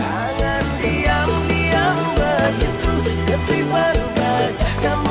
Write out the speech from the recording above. tangan diam diam begitu